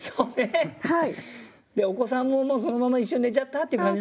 でお子さんももうそのまま一緒に寝ちゃったっていう感じなのかな。